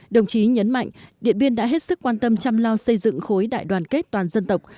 đồng chí nhấn mạnh điện biên đã hết sức quan tâm chăm lo xây dựng khối đại đoàn kết toàn dân tộc